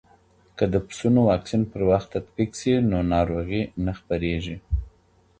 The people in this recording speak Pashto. که د پسونو واکسین پر وخت تطبیق سي، نو ناروغۍ نه خپریږي.